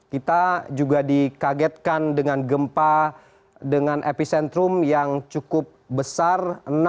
kita juga dikagetkan dengan gempa dengan epicentrum yang cukup besar